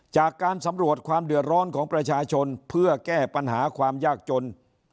จากการสำรวจความเดือดร้อนของประชาชนเพื่อแก้ปัญหาความยากจน